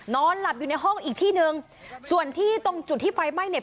นอนหลับอยู่ในห้องอีกที่หนึ่งส่วนที่ตรงจุดที่ไฟไหม้เนี่ย